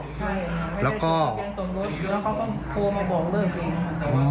ใช่ไม่ได้โทรเตียงส่งรถแล้วเขาก็โทรมาบอกเลิกเอง